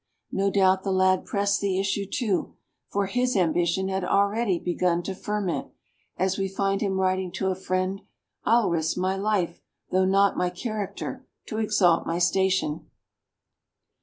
No doubt the lad pressed the issue, too, for his ambition had already begun to ferment, as we find him writing to a friend, "I'll risk my life, though not my character, to exalt my station."